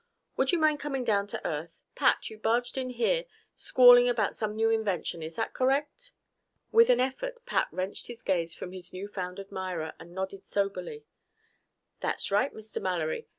Would you mind coming down to earth? Pat, you barged in here squalling about some new invention. Is that correct?" With an effort Pat wrenched his gaze from his new found admirer and nodded soberly. "That's right, Mr. Mallory.